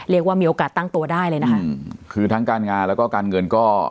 เรียกว่ามีโอกาสตั้งตัวได้เลยนะคะคือทั้งการงานแล้วก็การเงินก็